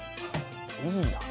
いいな。